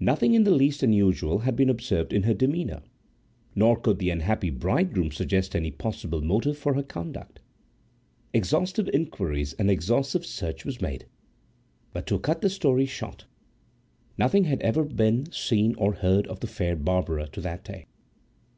Nothing in the least unusual had been observed in her demeanour; nor could the unhappy bridegroom suggest any possible motive for her conduct. Exhaustive inquiries and exhaustive search were made; but, to cut the story short, nothing had ever again been seen or heard of the fair Barbara to that day.